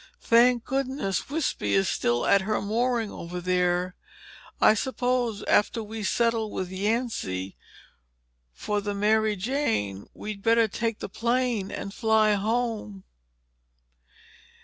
Thank goodness Wispy is still at her mooring over there. I s'pose after we settle with Yancy for the Mary Jane, we'd better take the plane and fly home."